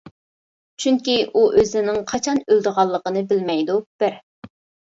چۈنكى ئۇ ئۆزىنىڭ قاچان ئۆلىدىغانلىقىنى بىلمەيدۇ، بىر.